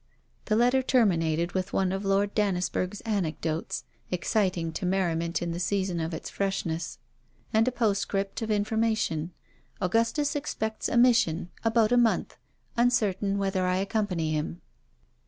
The letter terminated with one of Lord Dannisburgh's anecdotes, exciting to merriment in the season of its freshness; and a postscript of information: 'Augustus expects a mission about a month; uncertain whether I accompany him.'